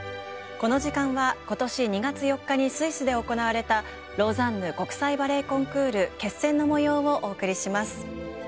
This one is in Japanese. この時間は今年２月４日にスイスで行われたローザンヌ国際バレエコンクール決選の模様をお送りします。